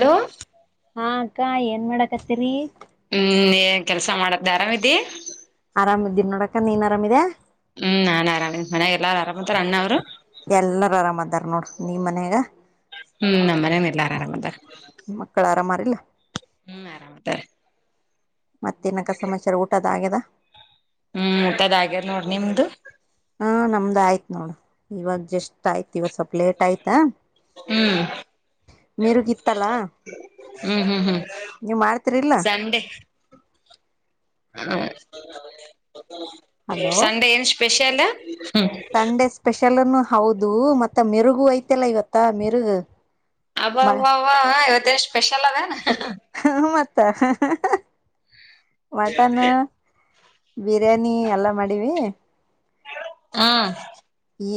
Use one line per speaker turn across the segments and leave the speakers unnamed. hello
ಹಾ ಅಕ್ಕ ಏನ್ ಮಾಡಕ್ತ್ತೀರಿ
ಹ್ಮ್ ಏನ್ ಕೆಲಸ ಮಾಡ್ದ ಅರಾಮಿದಿ
ಆರಾಮ ಇದ್ದೀಿ ನೋಡಕ ನೀನ್ ಆರಾಮಿದೆದಾ
ಹ್ಮ್ ನಾನ್ ಆರಾಮೇ ಮನಗ ಎಲ್ಲ ಆರಾಮತ್ರ ಅಣ್ಣ ಅವರು
ನೋಡು ನೀ್ ಮನಯಾಗ
ಹ್ಮ್ ನಮ್ಮನೇನ ಎಲ್ಲರ ಆರಾಮ ಅದ
ಮಕ್ಕಳ ಆರಾಮಾರಿಲ್ಲ
ಹ್ಮ್ ಆರಾಮತಾರೆ
ಮತ್ತೇನಕ್ಕ ಸಮಾಚಾರ ಊಟದ ಆಗ್ಯದ
ಹ್ಮ್ ಊಟದ್ ಆಗ್ಯಾರ ನೋಡ ನಿಮ್ದು
ಹ ನಮ್ದ್ ಆಯ್ತ್ ನೋಡ ಇವಾಗ ಜಸ್ಟ್ ಆಯ್ತು ದಿವ ಸ್ವಲ್ಪ ಲೇಟ್ ಆಯ್ತಾ
ಹ್ಮ್
ಮರುಗಿತ್ತಲ್ಲ
ಹ್ಮ್ ಹ್ಮ್ ಹ್ಮ್
ನೀವ ಮಾಡ್ತಿರಿಲ್ಲ
ಹ ಸಂಡೆ ಎನ್ಚ್ ಸ್ಪೆಷಲ್ ಹ್ಮ್
ಸಂಡೇ ಸ್ಪೆಷಲ್ನ್ನು ಹೌದು ಮತ್ತ ಮಿರುಗು ಐತೆಲ್ಲ ಇವತ್ತ ಮಿರುಗ
ಅಬ್ಬ ಇವತ್ತ ಎಷ್ಟ ಸ್ಪೆಷಲ್ ಅದನಾ
ಹ ವಟಾನ ಬಿರಿಯಾನಿ ಎಲ್ಲ ಮಾಡಿವ
ಹಾ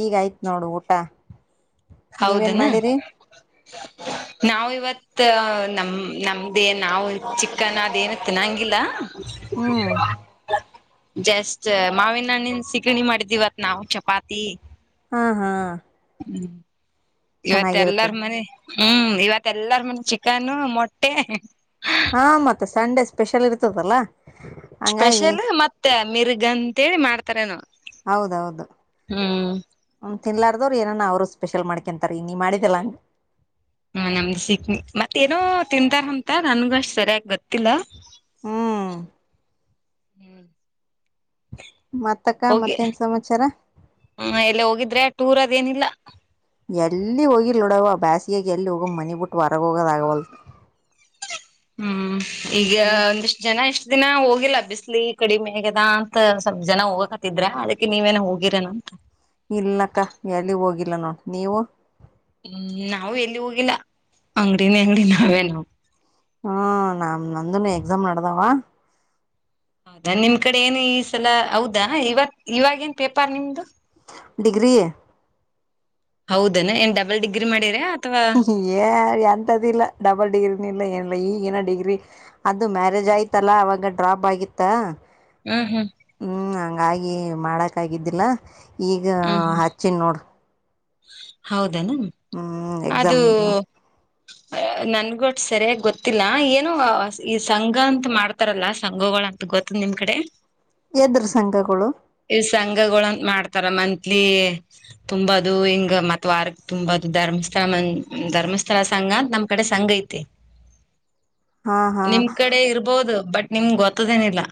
ಈಗ ಆಯ್ತು ನೋಡು ಊಟ ನೀವೇನ್
ಹೌದನ
ಮಾಡಿರಿ
ನಾಾವ ಇವತ್ ಮತ್ತ ನಮ ನಮ್ದೇ ನಾವು ಚಿಕ್ಕನ್ ಅದೇನು ತಿನ್ನಂಗಿಲ್ಲ
ಹ್ಮ್
ಜಸ್ಟ್ ಮಾವಿನನನ್ ಸಿಗಣಿ ಮಾಡಿದಿವವತ್ ನಾವ್ ಚಪಾತಿ
ಹಾ ಹಾ
ಹ್ಞೂ ಇವತ್ತ ಎಲ್ಲಾರ
ಚೆನ್ನಾಗಿರ್ತದ
ಮನ ಹ್ಮ್ ಇವತ್ತ ಎಲ್ಲಾರ ಮನ್ ಚಿಕನ್ ಮೊಟ್ಟೆ
ಹಾ ಮತ್ತೆ ಸಂಡೆ ಸ್ಪೆಷಲ್ ಇರ್ತದಲ್ಲಾ
ಸ್ಪೆಷಲ್ ಮತ್ತೆ ಮಿರ್ಗ ಅಂತೇಳಿ ಮಾಡ್ತಾರೆ ನಾ
ಹೌದೌದು
ಹ್ಮ್
ಹ್ಮ ತಿನ್ಲಾರ್ದವ್ರು ಏನಾನ ಅವರು ಸ್ಪೆಷಲ್ ಮಾಡ್ಕೊಂತಾರೆ ನೀ ಮಾಡಿದೆಲ್ಲ ಹಂಗೆ
ಹ್ಮ ನಮ್ದು ಸಿಗ್ ಮತ್ತೇಏನೋ ತಿಂತಾರ ಅಂತ ನನ್ಗ ಅಷ್ಟ್ ಸರಿಯಾಗಿ ಗೊತ್ತಿಲ್ಲ
ಹ್ಮ್
ಹ್ಮ್
ಮತ್ತಕ್ಕ ಮತ್ತೇನ್ ಸಮಾಚಾರ
ಹ ಎಲ್ಲ ಹೋಗಿದ್ರೆ ಟೂರ್ ಅದೇನಿಲ್ಲ
ಎಲ್ಲಿ ಹೋಗಿ ನೋಡವ ಬ್ಯಾಸಿಗೆಗೆ ಎಲ್ಲಿ ಹೋಗ್ ಮನಿ ಬಿಟ್ಟು ಹೊರಗೋಗದ ಆಗವಲ್
ಹ್ಮ ಈಗ ಒಂದಿಷ್ಟು ಜನ ಎಷ್ಟು ದಿನ ಹೋಗಿ ಲಭಿಸ್ಲಿ ಕಡಿಮೆಾಗದ ಅಂತ ಸ್ವಲ್ಪ ಜನ ಹೋಗಕತ್ತಿದ್ರ ಅದಕ್ಕೆ ನೀವೇನ ಹೋಗಿರೇನಂತ
ಇಲ್ನಕ್ಕ ಎಲ್ಲಿ ಹೋಗಿಲ್ಲ ನೋಡ್ ನೀವು
ಹ್ಮ್ ನಾವ ಎಲ್ಲಿ ಹೋಗಿಲ್ಲ ಅಂಗಡಿನ ಅಂಗಡಿ ನಾವೇ ನಾವು
ಹ್ಮ ನಾ ನಮ್ ನಂದನು ಎಕ್ಸಾಮ್ ನಡ್ದಾವ
ಹ ನಿಮ್ ಕಡೆ ಏನು ಈ ಸಲ ಹೌದಾ ಇವ ಇವಾಗೇನ್ ಪೇಪರ್ ನಿಮ್ದು
ಡಿಗ್ರಿ
ಹೌದನ ಏನ್ ಡಬಲ್ ಡಿಗ್ರಿ ಮಾಡಿರಾ
ಏ ಎಂತದಿಲ್ಲ ಡಬಲ್ ಡಿಗ್ರಿ ಇಲ್ಲ ಏನಿಲ್ಲ ಈಗ ಇನ್ನ ಡಿಗ್ರಿ ಅದು ಮ್ಯಾರೇಜ್ ಆಯ್ತಲ್ಲ ಅವಾಗ ಡ್ರಾಪ್ ಆಗಿತ್ತ
ಹ್ಮ್ ಹ್ಮ್
ಹಾಗೆ ಮಾಡಕಾಗಿದ್ದಿಲ್ಲ ಈಗ ಹಚ್ಚಿ ನ ನೋಡ
ಹೌದ ಅದು
ಎಕ್ಸಾಮ್
ನನಗೂ ಅಷ್ಟ ಸರಿಯಾಗಿ ಗೊತ್ತಿಲ್ಲ ಏನು ಈ ಸಂಘ ಅಂತ ಮಾಡ್ತಾರಲ್ಲಾ ಸಂಘ ಗೋಳ ಅಂತ ಗೊತ್ತದ ನಿಮ್ ಕಡೆ
ಎದ್ರ ಸಂಘಗಳು
ಈ ಸಂಘಗಳಂತ ಮಾಡ್ತಾರ ಮಂತ್ಲಿ ತುಂಬದು ಹಿಂಗ ಮತ್ ವಾರಕ್ ತುಂಬದು ಧರ್ಮಸ್ಥಳ ಧರ್ಮಸ್ಥಳ ಸಂಘ ಅಂತ ನಮ್ ಕಡೆ ಸಂಘ ಐತಿ
ಹಾ ಹಾ
ನಿಮ್ ಕಡೆ ಇರ್ಬೋದು ಬಟ್ ನಿಮ್ ಗೊತ್ತದೇನಿಲ್ಲ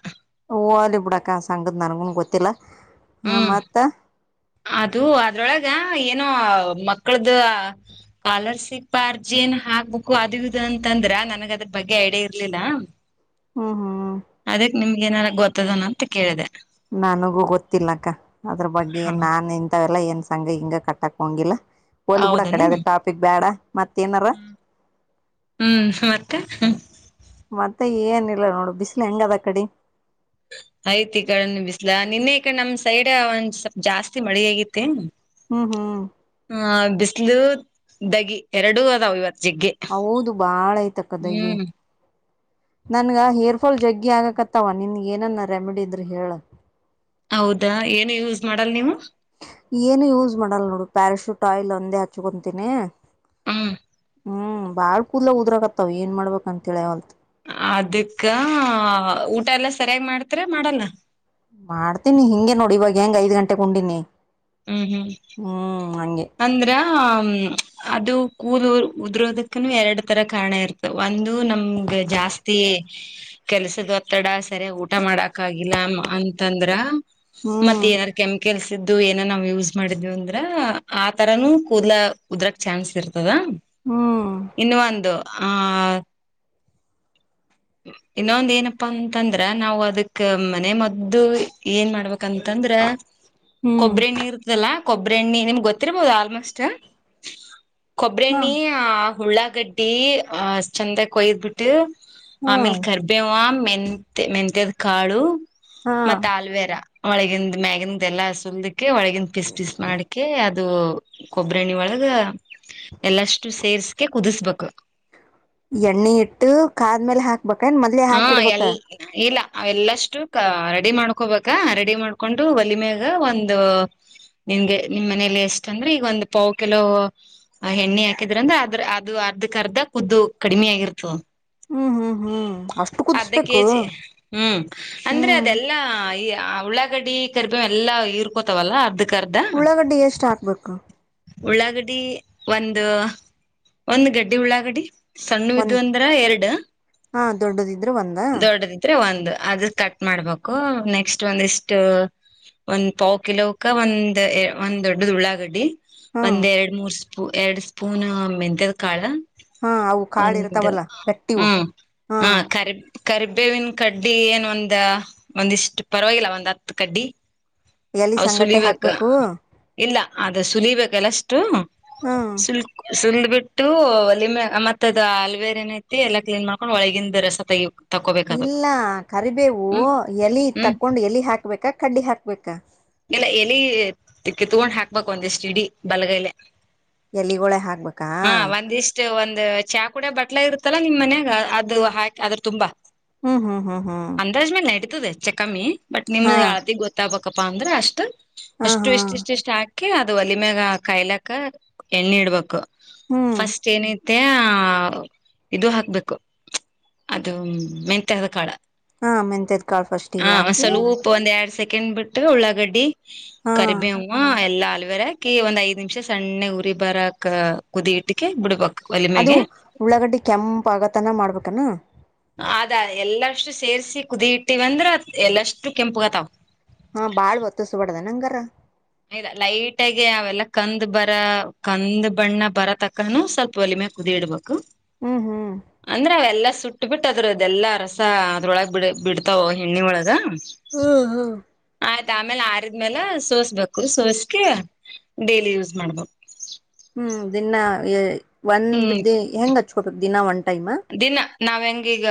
ಹೋಗ್ಲಿ ಬಿಡಕ್ಕ ಸಂಘದ ನನ್ಗೂನ್ ಗೊತ್ತಿಲ್ಲ ಹಾ
ಹ್ಮ್
ಮತ್ತ
ಅದು ಅದ್ರೊಳಗ ಏನೋ ಮಕ್ಕಳದ್ದ ಕಾಲರ್ ಸಿಪ್ ಅರ್ಜಿ ಏನ್ ಹಾಕ್ಬೇಕು ಅದು ಇದು ಅಂತಂದ್ರ ನನ್ಗ ಅದ್ರ ಬಗ್ಗೆ ಐಡಿಯಾ ಇರ್ಲಿಲ್ಲ
ಹ್ಮ್ ಹ್ಮ್
ಅದಕ್ ನಿಮ್ಗೆ ಏನಾರ ಗೊತ್ತ ನ ಅಂತ ಕೇಳಿದೆ
ನನಗೂ ಗೊತ್ತಿಲ್ಲ ಅಕ್ಕ ಅದ್ರ ಬಗ್ಗೆ ನಾನ ಎನ್ ಎಲ್ಲ ಏನ್ ಸಂಗಾಗಿಂಗ ಕಟ್ಟಕ್ ಹೋಗಂಗಿಲ್ಲ ಹೋಗ್ಲಿ ಬಿಡ ಆ ಕಡಿ
ಹೌದನು
ಅದು ಟಾಪಿಕ್ ಬೇಡ ಮತ್ತೇ ಏನಾರ
ಹ್ಮ್ ಮತ್ತ
ಮತ್ತೆ ಏನಿಲ್ಲ ನೋಡು ಬಿಸಿಲು ಹೆಂಗ ಅದ ಕಡೆ
ಆಯ್ತ್ ಈ ಕಡೆ ಬಿಸ್ಲಾ ನಿನ್ನೆ ಈಕಡೆ ನಮ್ ಸೈಡ್ ಒಂದ್ ಸ್ವಲ್ಪ್ ಜಾಸ್ತಿ ಮಳೆ ಆಗೈತಿ
ಹ್ಮ್ ಹ್ಮ್
ಹ ಬಿಸಲು ದಗಿ ಎರಡು ಅದಾವ ಇವತ್ತ
ಹೌದು ಬಾಳ ಐತಿ ಅಕ್ಕ ದಗಿ
ಹ್ಮ್
ನನಗ ಹೇರ್ ಫಾಲ್ ಜಗ್ಗಿ ಆಗಕತ್ತವ ನಿನ್ಗ ಏನನ್ನ ರೆಮಿಡಿ ಇದ್ರೆ ಹೇಳ
ಹೌದಾ ಏನು ಯೂಸ್ ಮಾಡಲ್ ನೀವು
ಟಾಯ್ಲ್ ನಂದೇ ಹಚ್ಕೊಕೊತಿನೀ
ಹ್ಮ್
ಹ್ಮ್ ಬಾಳ್ ಕೂದಲ ಉದ್ರರಕತ್ತವ್ ಏನ್ ಮಾಡ್ಬೇಕಂತ ತಿಳಿಯವಲ್ತ
ಅದಕ್ಕ ಊಟ ಎಲ್ಲ ಸರಿಯಾಗಿ ಮಾಡ್ತಿರೋ ಮಾಡಲ್ಲ
ಮಾಡ್ತೀನಿ ಹಿಂಗೆ ನೋಡಿ ಇವಾಗ ಹೆಂಗ್ ಐದ್ ಗಂಟೆಗೆ ಉಂಡಿ ನೀ
ಹ್ಮ್ ಹ್ಮ್ ಅಂದ್ರ ಅದು ಕೂದ ಉದರೋದಕ್ಕನು ಎರಡ್ ತರ ಕಾರಣ ಇರ್ತ ಒಂದು ನಮಗ ಜಾಸ್ತಿ ಕೆಲ್ಸದ ಒತ್ತಡ ಸರಿ ಊಟ ಮಾಡಕ ಆಗಿಲ್ಲ ಅಂತಂದ್ರಾ ಮತ್ತೆ
ಹ್ಮ್
ಏನಾದಾರು ಕೆಮಿಕಲ್ಸ್ ದು ಎ ನಾವು ಯೂಸ್ ಮಾಡಿದವಿ ಅಂದ್ರ ಆ ತರಾನೂ ಕೂದಲ ಕದ್ರಕ ಚಾನ್ಸ್ ಇರ್ ಹದಾ
ಹ್ಮ್
ಇನ್ನು ಒಂದು ಹಾ ಇನ್ನೊಂದ ಏನಪ್ಪಾ ಅಂತಂದ್ರ ನಾವು ಅದಕ್ ಮನೆ ಮದ್ದು ಏನ್ ಮಾಡ್ಬೇಕ ಯಾಕಂತಂದ್ರ
ಹ್ಮ್
ಕೊಬ್ಬರಿ ನೀರ್ತಲ್ಲ ಕೊಬ್ಬರಿಣ್ಣಿ ನಿಮ್ಗೆ ಗೊತ್ತಿರ್ಬೋದು ಆಲ್ಮೋಸ್ಟ್
ಹಾ
ಕೊಬ್ಬರಿಣ್ಣಿ ಆ ಹುಳ್ಳಾಗಡ್ಡಿ ಅ ಅಷ್ಟ ಚಂದಾಗ ಕೊಯ್ದ್ ಬಿಟ್ಟು
ಹ್ಮ್
ಹಮಿಲ್ ರ್ಬೇ ಹ- ಮೆಂತೆ ಮೆಂತೆದ ಕಾಳು
ಹಾ
ಮತ್ತೆ ಆಲ್ವೆೇರಾ ಒಳಗಿಂದ ಮ್ಯಾಗಿನ್ ಎಲ್ಲ ಸುಲ್ದ ಒಳಗಿನ ಪಿಸಸ್ ಪಿಸಸ್ ಮಾಡಕೆ ಅದ ಅದು ಕೊಬ್ಬರಿಣಿ ಒಳಗ ಎಲ್ಲಷ್ಟು ಸೇರ್ಸ್ಕೆ ಕುದಿಸ್ಬೇಕು
ಎಣ್ಣೆ ಇಟ್ಟು ಕಾದ್ಮೇಲೆ ಹಾಕ್ ಬಕ ನ್ ಮದ್ಲೇ
ಹಾ ಎಲ್
ಹಾಕಿಡ್ಬೇಕಾ
ಇಲ್ಲ ಅವೆಲ್ಲಷ್ಟು ರೆಡಿ ಮಾಡ್ಕೊಬೇಕ ರೆಡಿ ಮಾಡ್ಕೊಂಡು ಒಲಿಮ್ಯಾಗ ಒಂದು ನಿನ್ಗೆ ನಿಮ್ ಮನೇಲಿ ಎಷ್ಟಂದ್ರೆ ಈಗ ಒಂದ್ ಪಾವ್ ಕೆಲೋ ಎಣ್ಣಿ ಹಾಕಿದ್ರಂದ್ರ ಅದ್ರ ಅದು ಅರ್ಧಕ್ ಅರ್ಧ ಕಖುದ್ದು ಕಡಿಮೆ ಆಗಿರ್ತವ
ಹ್ಮ್ ಹ್ಮ್ ಹ್ಮ್ ಅಷ್ಟು
ಅರ್ಧ
ಕುದಿಸ್ಬೇಕು
ಕೆಜಿ ಹ್ಮ್ ಅಂದ್ರೆ
ಹ್ಮ್
ಅದೆಲ್ಲಾ ಆ ಉಳ್ಳಾಗಡ್ಡಿ ಕರಿಬೀಂ ಎಲ್ಲಾ ಹಿರ್ಕೋತವಲ್ಲ
ಉಳ್ಳಗಡಿ ಎಸ್ಟ್ ಸ್ಟಾಕ್ ಬರ್ಕ್
ಉಳ್ಳಾಗಡಿ ಒಂದು ಒಂದು ಗಡ್ಡಿ ಉಳ್ಳಾಗಡಿ ಸಣ್ಣವಿದ್
ಒಂದ್
ಅಂದ್ರ ಎರಡು
ಹಾ ದೊಡ್ಡದಿದ್ರೆ ಒಂದ
ದೊಡ್ಡದಿದ್ರೆ ಒಂದು ಅದು ಕಟ್ ಮಾಡ್ಬೇಕು ನೆಕ್ಸ್ಟ್ ಒಂದಿಷ್ಟ ಒಂದ್ ಪಾವ ಕಿಲೋಕ ಒಂದ್ ಒಂದ್ ದೊಡ್ಡ ಉಳ್ಳಾಗಡ್ಡಿ
ಹಾ
ಒಂದ್ರಡು ಮೂರ್ ಪೂ ಎರಡು ಸ್ಪೂನ್ ಮೆಂತೆದ ಕಾಳ
ಹಾ ಅವು ಕಾಳ
ಒಂದು
ಇರ್ತಾವಲ್ಲ ಗಟ್ಟಿವು
ಹ್ಮ್
ಹಾ
ಹ ಕರಿ ಕರಿಬೇವಿನ ಕಡ್ ಅಡ್ಡಿ ಏನ್ ಒಂದ ಒಂದಿಷ್ಟು ಪರವಾಗಿಲ್ಲ ಒಂದ್ ಹತ್ತು ಕಡ್ಡಿ
ಎಲಿ
ಅವ
ಸಂಗಟ್ಟೆ
ಸುಲಿಬೇಕ
ಹಾಕ್ಬೇಕು
ಇಲ್ಲ ಆದ ಸು ಲಬೇಕಲ್ಲ ಅಷ್ಟು
ಹಾ
ಸುಲ್ಕ ಸುಲ್ಂದ್ ಬಿಟ್ಟು ಲಮೆ ಮತ್ತದ ಆಲ್ವೇರ್ ಏನ ಐತಿ ಎಲ್ಲ ಕ್ಲೀನ್ ಮಾಡ್ಕೊಂಡ್ ಒಳಗಿಂದ ರಸ ತಗು
ಇಲ್ಲ ಕರಿಬೇವು ಎಲಿ
ಹ್ಮ್
ತಕೊಂಡ್ ಎಲಿ ಹಾಕ್ಬೇಕ ಕಡ್ಡಿ ಹಾಕ್ಬೇಕ
ತಗೊಂಡ್ ಹಾಕ್ ಒಂದಷ್ಟು ಚಿಡಿ ಬಲಗಲೆ
ಎಲ್ಲಿಗೋಳೆ ಹಾಕ್ಬೇಕಾ
ಅ ಚಾ ಕುಡಿಯ ಬಟ್ಲ ಇರುತ್ತಲ್ಲಾ ನಿಮ್ ಮನ್ಯಾಗ ಅದು ಹಾಕಿ ಅದ್ರ ತುಂಬಾ
ಹ್ಮ್ ಹ್ಮ್ ಹ್ಮ್ ಹ್ಮ್
ಚೆಕ್ಕಮ್ಮಿ ಬಟ್ನ ಮ
ಹಾ
ಯಾತಿ ಗೊತ್ತಾ ಅಕ್ಕಪ್ಪಾ ಅಂದ್ರೆ ಅಷ್ಟು
ಹಾ
ಅಷ್ಟು
ಹಾ
ಎಷ್ಟು ಎಷ್ಟು ಎಷ್ಟು ಆ ಹ ಅದು ಒಲಿ ಮ್ಯಾಗ ಕಾಯ್ಲಕ್ಕ ಎಣ್ಣೆ ಇಡ್ಬೇಕು
ಹ್ಮ್
ಫಸ್ಟ್ ಏನೈತಿ ಮತ್ತೆ ಇದು ಹಾಕ್ಬೇಕು ಅದು ಮೆತ್ಯಾದ ಕಾಡ
ಹಾ ಮೆಂತದ್ ಕಾಳ ಫಸ್ಟ್ ಈಗ ಯಾಕಿ
ಚಿಕನ್ಬಿಟ್ಟು ಉಳಗಡೀ ಕರಿಬೇವ ಎಲ್ಲ ರಕ ಒಂದ್ ಐ್ದ ನಿಮಿಷ ಸಣ್ಣೆ ಉರಿ ಬರಕ್ ಕುದಿ ಇಟ್ಟಕ್ಕೆೆ ಬಿಡ್ಬಕ
ಅದು ಉಳ್ಳಾಗಡ್ಡಿ ಕೆಂಪ ಆಗತನ ಮಾಡ್ಬೇಕಾನ
ಅದ ಎಲ್ಲಷ್ಟು ಸೇರ್ಸಿ ಕುದಿ ಇಟ್ಟಿವಂದ್ರ ಎಲ್ಲಷ್ಟು ಕೆಂಪುಗತ್ತಾವ
ಹಾ ಬಾಳ್ ಒತ್ತಿಸಬಡ್ದ ನಂಗಾರ
ಇಲ್ಲಾ ಲೈಟ್ ಆಗಿ ಅವೆಲ್ಲ ಕಂದ್ ಬರ ಕಂದ್ ಬಣ್ಣ ಬರ ತಕಾನೂ ಸ್ವಲ್ಪ ಒಲಿಮೆ ಕುದಿಡ್ಬೇಕು
ಹ್ಮ್ ಹ್ಮ್
ಅಂದ್ರೆ ಅವೆಲ್ಲಾ ಸುಟ್ಟ ಬಿಿಟ್ಟು ಅದ್ರ ಅದೆಲ್ಲ ರಸ ಅದ್ರೊಳಗ ಬಿ ಬಿಡ್ತಾವ ಹೆಣ್ಣಿ ಒಳಗ
ಹ್ಮ್ ಹ್ಮ್
ಆಯ್ತ ಆಮೇಲೆ ಆರಿದ್ಮೇಾಲ ಸೋಸ್ಬೇಕು ಸೋಸ್ಕ ಡೇಲಿ ಯೂಸ್ ಮಾಡ್ಬು
ಹ್ಮ್ ದಿನ್ನಾ ಎ ಒಂದ್
ಹ್ಮ್
ಬಿದ್ದೆ ಹೆಂಗ್ ಹಚ್ಕೋಬೇಕ್ ದಿನಾ ಒಂಟ
ದಿನ ನಾವ ಹೆಂಗೀಗ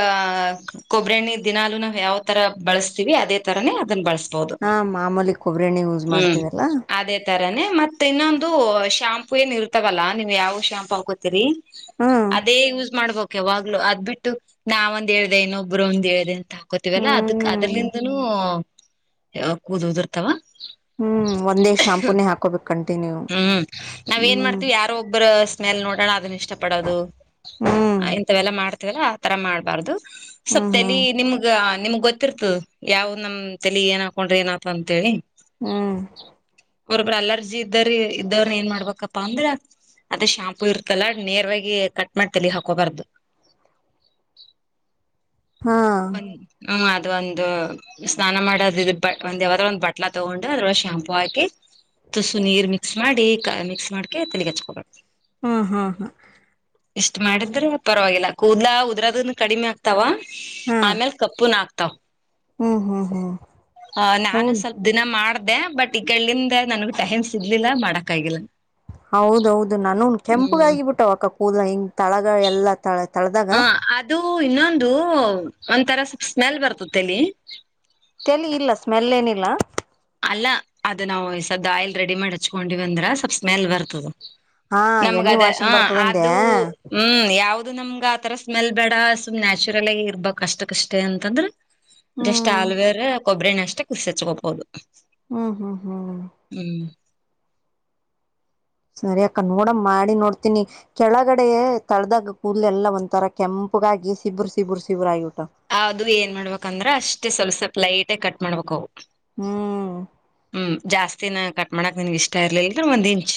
ಕೊಬ್ಬ್ರೆಣ್ಣ ದಿನಾಲುೂ ನಾವ ಯಾವ ತರ ಬಳಸ್ತಿವಿ ಅದೇ ತರಾನೇ ಅದನ್ನ ಬಳಸ್ವಿ
ಹಾ ಮಾಮೂಲಿ ಕೊಬ್ಬರಿ ಎಣ್ಣೆ ಯೂಸ್
ಹ್ಮ್
ಮಾಡ್ತೀವಲ್ಲಾ
ಅದೇ ತರಾನೇ ಮತ್ತೆ ಇನ್ನೊಂದು ದು ಶಾಂಪು ಏನ್ ಇರ್ತಾಗಲ್ಲ ನೀವು ಯಾವ ಶಾಂಪು ಆಕೋತಿರಿ
ಹ್ಮ್
ಅದೇ ಯೂಸ್ ಮಾಡ್ಬೇಕು ಯವಾಗ್ಲು ಅದಬಿಟ್ಟು ನಾವಂದ ಹೇಳ್ದ ಇನ್ನೊಬ್ರು ಒಂದ್ ಹೇಳ್ದ ಹಾಕೋತಿವಲ್ಲಾ ಅದಕ್
ಹ್ಮ್
ಅದ್ರಲಿಂದನೂ ಕೂದಲವುದುರ್ತಾವ
ಹ್ಮ್ ಒಂದೇ ಶಾಂಪೂನೇ ಹಾಕೋಬೇಕು ಕಂಟಿನ್ಯೂ
ಹ್ಮ್ ನಾವ ಏನ್
ಹ್ಮ್
ಮಾಡ್ತೀವಿ ಯಾರೋ ಒಬ್ಬರ ಸ್ಮೆಲ್ ನೋಡೋಣ ಅದನ್ನು ಇಷ್ಟ ಪಡೋದು
ಹ್ಮ್
ಆಯ್ತ್ ಅವೆಲ್ಲಾ ಮಾಡ್ತ ಇಲ್ಲ ಆ ತರ ಮಾಡ್ಬಾರ್ದು ಸ್ವಲ್ಪ್
ಹ್ಮ್ ಹ್ಮ್
ತೆಲಿ ನಿಮಗ ನಿಮಗ ಗೊತ್ತಿರ್ತದ ಯಾವ್ ನಮ್ ತಲಿ ಏನ್ ಹಾಕೊಂಡ್ರಿ ಏನ ಆತ ಅಂತ ಹೇಳಿ
ಹ್ಮ್
ಒರಬ್ರು ಅಲರ್ಜಿ ಇದ್ದ್ರ ಇದ್ದವ್ರ ಏನ್ ಮಾಡ್ಬೇಕಪ್ಪಾ ಅಂದ್ರ ಅದ ಶಾಂಪೂ ಇರ್ತಲ್ಲ ನೇರವಾಗಿ ಕಟ್ ಮಾಡಿ ತೆಲಿ ಹಾಕ ಹಾಕೋಬರ್ದ
ಹಾ
ಬ ಹ ಅ ಅದೊಂದು ಸ್ನಾನ ಮಾಡದ ಇದ ಒಂದ್ ಯಾವ್ರ ಒಂದು ಬಟ್ಲಾ ತಗೊಂಡು ಅದ್ರೊಳ ಶಾಂಪೂ ಹಾಕಿ ತುಸು ನೀರ್ ಮಿಕ್ಸ್ ಮಾಡಿ ಮಿಕ್ಸ್ ಮಾಡಕ ತೇಲಿಗ್ ಹಚ್ಕೊಬೇಕ್
ಹ್ಮ್ ಹ್ಮ ಹಾ
ಈಷ್ಟ್ ಮಾಡುದ ಅಂದ್ರ ಪರವಾಗಿಲ್ಲ ಕೂದಲ ಉದರದನ್ನ ಕಡಿಮೆ ಆಗ್ತಾವ
ಹಾ
ಆಮೇಲ್ ಕಪ್ಪುನ್ ಹಾಕ್ತಾವ
ಹ್ಮ್ ಹ್ಮ್ ಹ್ಮ್
ಆ ನಾನು
ಹೌದು
ಸ್ವಲ್ಪ ದಿನ ಮಾಡ್ದ ಅ ಬಟ್ ಈಕಡೆಯಿಂದ ನನ್ಗ್ ಟೈಮ್ ಸಿಗ್ಲಿಲ್ಲ ಮಾಡಕ್ ಆಗಿಲ್ಲ
ಹೌದೌದು ನಾನು ಕೆಂಪುಗಾಗಿಬ ಬಿಟ್ಟ ಅಕ್ಕ ಓ ಲೈ ತಳಗ ಎಲ್ಲಾ ತಳ ತಳ್ದಾಗ
ಆ ಅದು ಇನ್ನೊಂದು ಒಂಥರ ಸ್ವಲ್ ಸ್ಮೆಲ್ ಬರ್ತತ್ತ ಅಲ್ಲಿ
ಇಲ್ಲಾ
ಅಲ್ಲ ಅದ ನಾವು ಸವದ ಆಯಿಲ್ ರೆಡಿ ಮಾಡಿ ಹಚ್ಕೊಂಡಿವ ಅಂದ್ರ ಸ್ವಲ್ಪ ಸ್ಮೆಲ್ ಬರ್ತದೆ
ಹಾ
ನಮ್ಗ
ಎಣ್ಣೆ
ಅದ ಹ
ವಾಶಿನ್ ಬರ್ತದಂದೆ
ಅದುೂ ಹ್ಮ್ ಯಾವ್ದ ನಮ ಈ ಆ ತರ ಸ್ಮೆಲ್ ಬೇಡ ಸುಮ್ ನ್ಯಾಚುರಲ್ ಆಗ ಇರ್ಬಕ್ಷ್ಟಕ್ಕಷ್ಟೇ ಅಂತಂದ್ರೆ ಜಸ್ಟ್
ಹ್ಮ್
ಆಲ್ವೇರ್ ಕೊಬ್ಬರಿರಣ್ಣ ಅಷ್ಟ ಕುಸಿಚ್ಕೊಬಹುದು
ಹ್ಮ್ ಹ್ಮ್ ಹ್ಮ್ ಸರಿ ಅಕ್ಕ ನೋಡ ಮಾಡಿ ನೋಡ್ತನಿ ಕೆಳಗಡೆ ತಳ್ದಾಗ ಕೂದ ಎಲ್ಲ ಒಂತರ ಕೆಂಪಗಾಗಿ ಸಿಬ್ಬುರು ಸಿಬ್ಬುರು ಸಿಬ್ಬುರ ಆಗಿ ಬಿಟಾವ
ಅದು ಏನ್ ಮಾಡ್ಬೇಕಂದ್ರ ಅಷ್ಟೇ ಸ್ವಲ್ಪ ಸ್ವಲ್ಪ ಲೈಟ್ಗ ಕಟ್ ಮಾಡ್ಬೇಕವು
ಹ್ಮ್
ಹ್ಮ್ ಜಾಸ್ತಿನ ಕಟ್ ಮಾಡಾಕ್ ನಿನ್ಗ್ ಇಷ್ಟ ಇರ್ಲಲ್ ಒಂದ್ ಇಂಚ್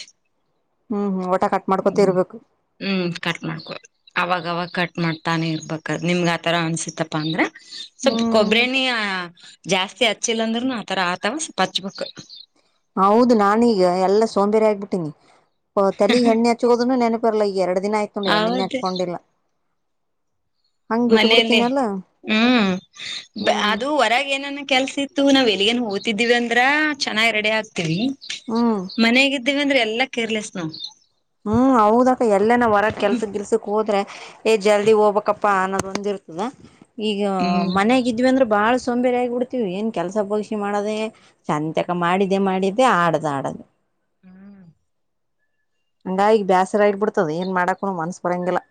ಹ್ಮ್ ಹ್ಮ್ ಒಟ ಕಟ್
ಹ್ಮ
ಮಾಡ್ಕೊತ ಇರ್ಬೇಕು
ಹ್ಮ್ ಕಟ್ ಮಾಡ್ಕೋ ಅವಾಗವಾಗ ಕಟ್ ಮಾಡ್ತಾನೆ ಇರ್ಬೇಕ ನಿಮ್ಗೆ ಆಥರ ಅನ್ಸತ್ತಪ್ಪಾ ಅಂದ್ರೆ ಸ್ವಲ್ಪ್
ಹ್ಮ್
ಕೊಬ್ಬರ ಎಣ್ಣೆ ಆ ಜಾಸ್ತಿ ಹಚ್ಚಿಲ್ಲ ಅಂದ್ರುನು ಆತರ ಆತವ ಪಂಚಮುಕ್ [unintelligible]
ಹೌದು ನಾನೀಗ ಎಲ್ಲಾ ಸೋಂಬೇರಿ ಆಗ್ಬಿಟ್ಟೀನಿ ತಲಿ ಎಣ್ಣೆ ಹಚ್ಕೋದನ್ನು ನೆನಪಿರ್ಲ್ಲ ಈ ಎರಡು ದಿನ ಆಯ್ತುು ಎಣ್ಣಿನೆ
ಹೌದು
ಹಚ್ಕೊಂಡಿಲ್ಲ ಹಂಗ್ ಬಿಟ್ಟ
ಮನೇಲ್ಲೇ
ಬಿಡ್ತೀನಲ್ಲ
ಹ್ಮ್
ಹ್ಮ್
ಅದು ಹೊರಗೆ ಏನನ್ನ ಕೆಲ್ಸಿ ಇತ್ತು ನಾವ್ ಎಲ್ಲಿಗನ್ ಹೋಗ್ ತಿದ್ದಿವವಿ ಅಂದ್ರ ಚೆನ್ನಾಗಿ ರೆಡಿ ಆಕ್ತಿವಿ
ಹ್ಮ
ಇದ್ದೀವಿ ಅಂದ್ರೆ ಎಲ್ಲಾ ಕೇರ್ಲೆಸ್ ನಾವು
ಹ್ಮ್ ಹೌದಕ್ಕ ಎಲ್ಲನ ಹೊರ ಕೆಲ್ಸ ಗಿಲ್ಸಕ್ ಹೋದ್ರೆ ಏ ಜಲ್ದಿ ಹೋಗ್ಬಪ್ಪಾ ಅನ್ನೋದೊಂದ್ ಇರ್ತದ [unintelligible] ಈಗ
ಹ್ಮ್
ಮನೆಗಿದ್ವಿ ಅಂದ್ರೆ ಬಾಳ ಸೋಂಬೇರಿ ಆಗಿಬಿಡ್ತೀವಿ ಏನ್ ಕೆಲಸ ಬಗಸಿ ಮಾಡದೆ ಶಂತಕ [unintelligible] ಮಾಡಿದ್ದೆ ಮಾಡಿದ್ದೆ ಆಡ್ದ ಆಡದು ಅಂಗಾಗಿ ಬೇಸರ ಆಗ್ ಬಿಡ್ತದ ಏನ್ ಮಾಡಕೂ ಮನಸಬರಲ್ಲ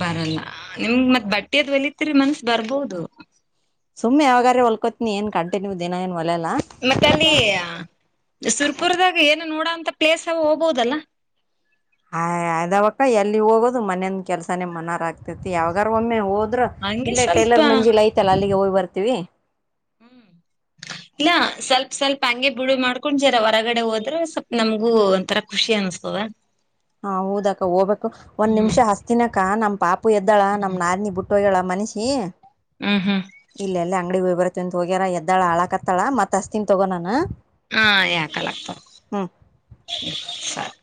ಬರಲ್ಲ ನಿಮ್ [unintelligible] ಮತ್ ಬಟ್ಟೆದ್ ಒಲತ್ರಿ ಮನ್ಸ ಬರ್ಬೋದು
ಸುಮ್ಮನೆ ಯಾವಾಗ್ಲಾದ್ರೂ [unintelligible] ಹೊಲ್ಕೋತಿನಿ ಏನ್ ಗಂಟೆ ನೀವು ದಿನ ಏನ್ ಒಲೆಲ್ಲ
ಮತ್ತೆ ಅಲ್ಲಿ ಸುರ್ಪುರದಾಗ ಏನೊ ನೋಡ ಪ್ಲೇಸ್ ಹೋಗ್ಬಹುದಲ್ಲ
ಹ ಅದಾವಕ್ಕ ಎಲ್ಲಿ ಹೋಗೋದು ಮನೇಂದ ಕೆಲ್ಸನೇ ಮನರ [unintelligible] ಆಗ್ತೇತಿ ಯಾವಾಗಾರ್ ಒಮ್ಮೆ ಹೋಗ್ [unintelligible]
ಹಂಗೆ
ಇಲ್ಲೇ
ಸ್ವಲ್ಪ
ಟೇಲರ್ ಮಂಜಿಲಿ ಐತಲ್ಲಾ ಅಲ್ಲಿಗೆ ಹೋಗಿ ಬರ್ತೀವಿ
ಇಲ್ಲ ಸ್ವಲ್ಪ ಸ್ವಲ್ಪ ಹಂಗೆ ಬಿಡು ಮಾಡ್ಕೊಂಡ್ ಜರ ಹೊರಗಡೆ ಹೋದ್ರೆ ಸ್ವಲ್ಪ ನಮ್ಗೂ ಒಂತರಾ ಖುಷಿ ಅನ್ಸ್ತದ
ಹೌದಕ್ಕ ಹೋಗ್ಬೇಕು ಒಂದ್
ಹ್ಮ್
ನಿಮಿಷ ಹಸ್ತಿನಕ [unintelligible] ನಮ್ [unintelligible] ಎದ್ದಳ
ಹ್ಮ್
ನಾರಿನಿ ಬಿಟ್ಟೋಗಳ ಮನಿಸಿ [unintelligible]
ಹ್ಮ್ ಹ್ಮ್
ಇಲ್ಲ ಎಲ್ಲೋ ಅಂಗಡಿಗ್ ಹೋಗವ್ರೆ [unintelligible] ಅತ್ತಂತ ಹೋಗ್ಯಾರ ಎ್ದಳ ಆಳಾಕತ್ತಾಳ ಮತ್ ಅಸ್ತಿನ ತಗೋ ನಾನು
ಹಾ [unintelligible] ಸರಿ